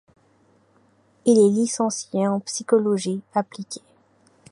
Il est licencié en psychologie appliquée.